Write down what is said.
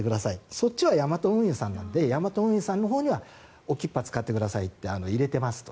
そっちはヤマト運輸さんなのでヤマト運輸さんのほうにはＯＫＩＰＰＡ使ってくださいと入れてますと。